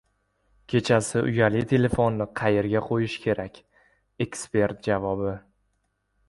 Kechasi uyali telefonni qayerga qo‘yish kerak- ekspert javobi